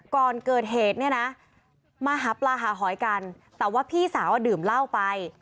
ก่อนเกิดเหตุเนี่ยนะมาหาปลาหาหอยกันแต่ว่าพี่สาวดื่มเหล้าไป